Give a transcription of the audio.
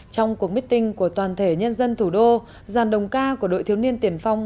trong cuộc meeting của toàn thể nhân dân thủ đô giàn đồng ca của đội thiếu niên tiền phong